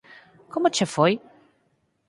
Como che foi?